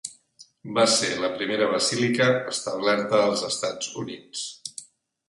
Va ser la primera basílica establerta als Estats Units.